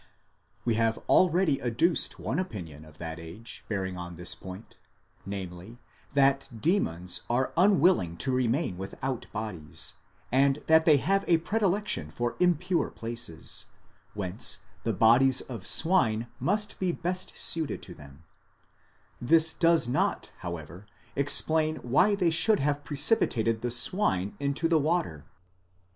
We have already adduced one opinion of that age bearing on this point, namely, that demons are unwilling to remain without bodies, and that they have a predilection for impure places, whence the bodies of swine must be best suited to them: this does not however explain why they should have precipitated the swine into the water.